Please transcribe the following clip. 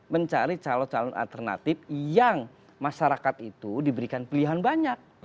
mencari calon calon alternatif yang masyarakat itu diberikan pilihan banyak